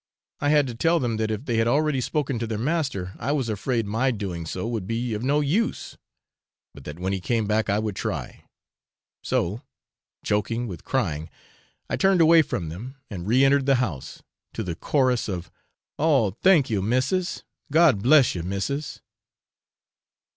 I had to tell them, that if they had already spoken to their master, I was afraid my doing so would be of no use, but that when he came back I would try; so, choking with crying, I turned away from them, and re entered the house, to the chorus of 'Oh, thank you, missis! God bless you, missis!'